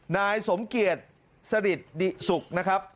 นายสมเกียรติศฤทธิ์ดิสุกนะครับ